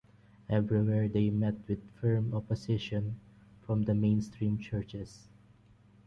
Everywhere they met with firm opposition from the mainstream churches.